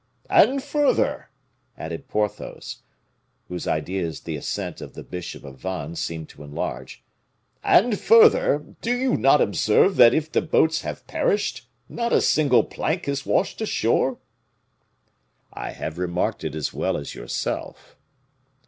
"And further," added Porthos, whose ideas the assent of the bishop of Vannes seemed to enlarge; "and, further, do you not observe that if the boats have perished, not a single plank has washed ashore?" "I have remarked it as well as yourself."